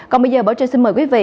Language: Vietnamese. còn bây giờ bảo trinh xin mời quý vị